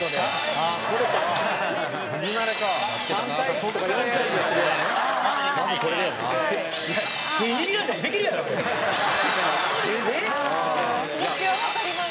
「ああ気持ちはわかります」